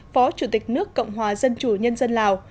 phó chủ tịch nước cộng hòa dân chủ nhân dân lào